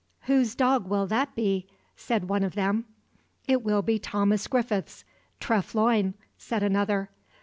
"Whose dog will that be?" said one of them. "It will be Thomas Griffith's, Treff Loyne," said another.